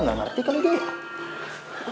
gak ngerti kali ya